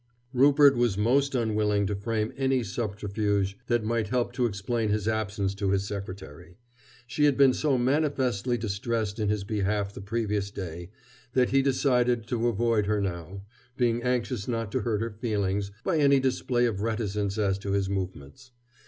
Rupert was most unwilling to frame any subterfuge that might help to explain his absence to his secretary. She had been so manifestly distressed in his behalf the previous day, that he decided to avoid her now, being anxious not to hurt her feelings by any display of reticence as to his movements.